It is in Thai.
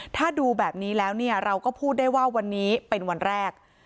ถ้าดูแบบนี้แล้วเนี่ยเราก็พูดได้ว่าวันนี้เป็นวันแรก